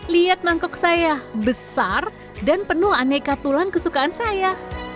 lihat mangkok saya besar dan penuh aneka tulang kesukaan saya